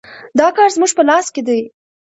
دا کار زموږ په لاس کې دی.